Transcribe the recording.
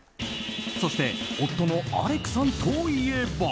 そして夫のアレクさんといえば。